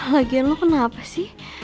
lagian lo kenapa sih